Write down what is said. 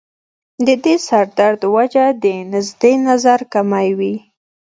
د دې سر درد وجه د نزدې نظر کمی وي